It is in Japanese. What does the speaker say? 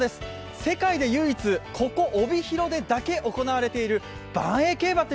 世界で唯一、ここ帯広でだけ行われているばんえい